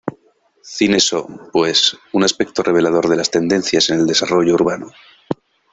Cines son, pues, un aspecto revelador de las tendencias en el desarrollo urbano.